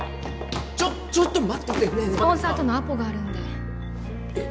ちょっちょっと待ってスポンサーとのアポがあるんでえっ？